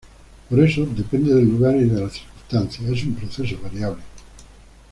Por eso, depende del lugar y de las circunstancias, es un proceso variable.